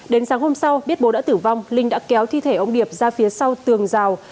đến sáng hôm sau biết bố đã tử vong linh đã kéo thi thể ông điệp ra phía sau tường rào